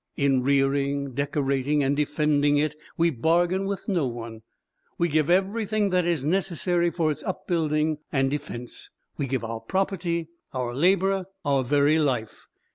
In rearing, decorating and defending it we bargain with no one, we give everything that is necessary for its upbuilding and defence, we give our property, our labour, our very life.